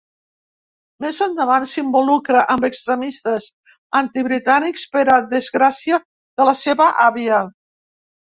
Més endavant, s'involucra amb extremistes antibritànics, per a desgràcia de la seva àvia.